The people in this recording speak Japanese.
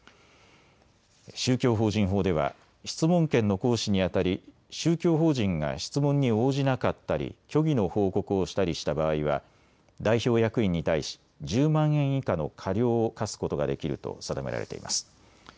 宗教法人法では質問権の行使にあたり宗教法人が質問に応じなかったり虚偽の報告をしたりした場合は代表役員に対し１０万円以下の過料を科すことができると定められています。